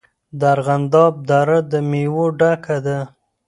د ارغنداب دره د میوو ډکه ده.